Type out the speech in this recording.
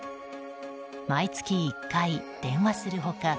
毎月１回、電話する他